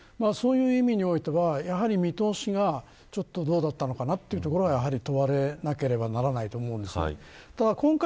そういう意味においてはやはり見通しがちょっと、どうだったのかなというところは問われなきゃいけないと思います。